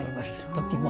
時も。